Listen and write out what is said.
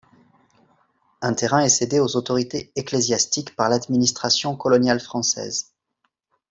Un terrain est cédé aux autorités ecclésiastiques par l'administration coloniale française.